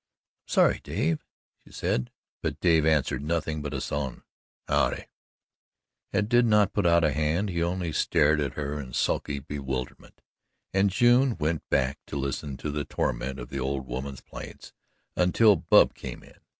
"I'm sorry, Dave," she said, but Dave answered nothing but a sullen "howdye" and did not put out a hand he only stared at her in sulky bewilderment, and June went back to listen to the torrent of the old woman's plaints until Bub came in.